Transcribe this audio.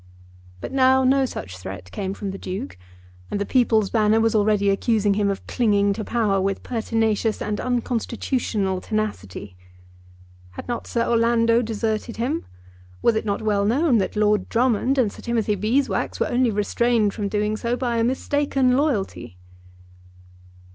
But now no such threat came from the Duke, and the "People's Banner" was already accusing him of clinging to power with pertinacious and unconstitutional tenacity. Had not Sir Orlando deserted him? Was it not well known that Lord Drummond and Sir Timothy Beeswax were only restrained from doing so by a mistaken loyalty?